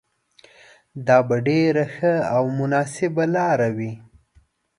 دا به ډېره ښه او مناسبه لاره وي.